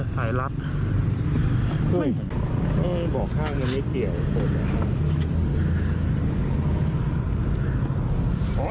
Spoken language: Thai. คลับเออ